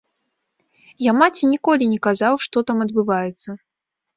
Я маці ніколі не казаў, што там адбываецца.